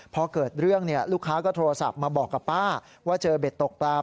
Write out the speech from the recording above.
พอเกิดเรื่องลูกค้าก็โทรศัพท์มาบอกกับป้าว่าเจอเบ็ดตกปลา